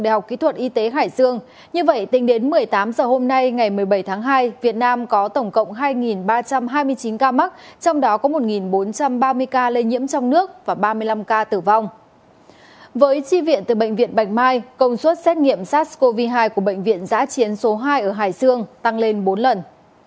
với tri viện từ bệnh viện bạch mai công suất xét nghiệm sars cov hai của bệnh viện giã chiến số hai ở hải dương tăng lên bốn lần